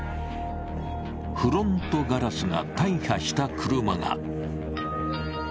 フロントガラスが大破した車が。